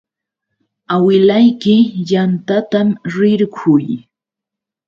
Awilayki yantaman rirquy.